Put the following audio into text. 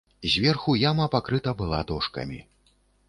Зверху яма пакрыта была дошкамі.